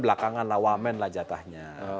belakangan lah wamen lah jatahnya